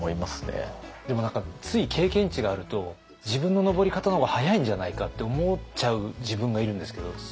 でも何かつい経験値があると自分の登り方の方が早いんじゃないかって思っちゃう自分がいるんですけど。